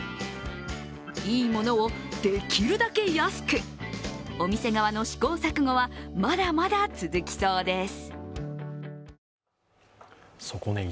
いいものをできるだけ安くお店側の試行錯誤はまだまだ続きそうです。